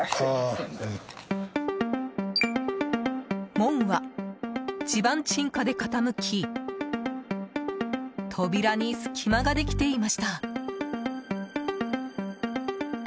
門は地盤沈下で傾き扉に隙間ができていました。